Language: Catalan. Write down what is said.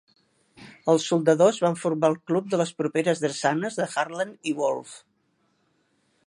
Els soldadors van formar el club de les properes drassanes de Harland i Wolff.